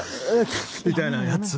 みたいなやつ。